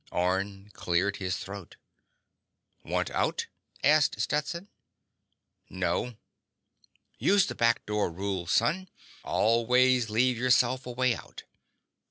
Orne cleared his throat. "Want out?" asked Stetson. "No." "Use the back door rule, son. Always leave yourself a way out.